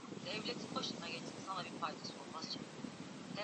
unaitegea sikio idhaa ya kiswahili ya redio france international